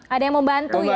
ada yang membantu ya